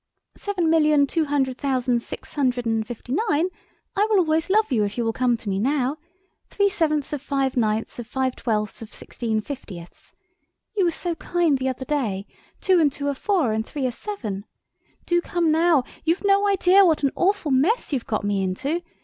Seven million two hundred thousand six hundred and fifty nine! I will always love you if you will come to me now. Three sevenths of five ninths of five twelfths of sixteen fiftieths. You were so kind the other day. Two and two are four, and three are seven! Do come now—you've no idea what an awful mess you've got me into.